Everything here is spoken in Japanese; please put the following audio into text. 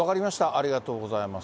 ありがとうございます。